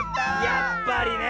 やっぱりねえ。